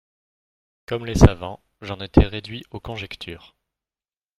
Comme les savants, j'en étais réduit aux conjectures.